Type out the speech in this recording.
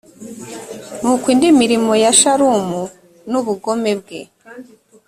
nuko indi mirimo ya shalumu n ubugome bwe